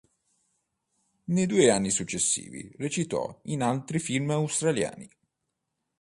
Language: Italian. Nei due anni successivi recitò in altri film australiani.